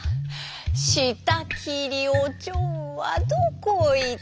「したきりおちょんはどこいった」